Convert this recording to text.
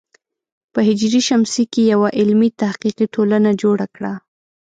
په ه ش کې یوه علمي تحقیقي ټولنه جوړه کړه.